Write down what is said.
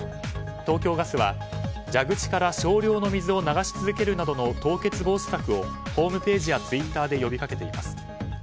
東京ガスは蛇口から少量の水を流し続けるなどの凍結防止策をホームページやツイッターで呼びかけています。